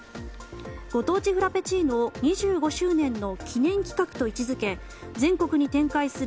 ご当地フラペチーノを２５周年の記念企画と位置づけ全国に展開する